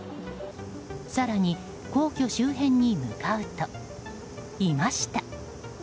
更に、皇居周辺に向かうといました。